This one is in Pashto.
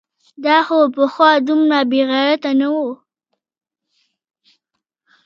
دا خو پخوا دومره بېغیرته نه و؟!